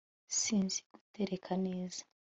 sinzi guteka neza